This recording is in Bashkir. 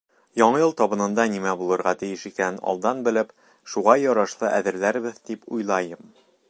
Яңы йыл табынында нимә булырға тейеш икәнен алдан белеп, шуға ярашлы әҙерләрбеҙ тип уйлайым.